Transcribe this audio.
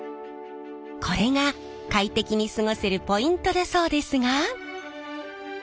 これが快適に過ごせるポイントだそうですが。